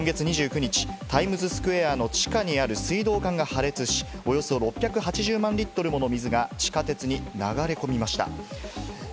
今月２９日、タイムズスクエアの地下にある水道管が破裂し、およそ６８０万リットルもの水が地下鉄に流れ込みました。